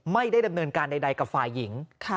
ไม่ได้ดำเนินการใดกับฝ่ายหญิง